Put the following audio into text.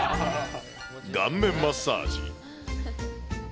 顔面マッサージ。